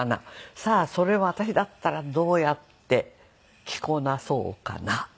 さあそれを私だったらどうやって着こなそうかな？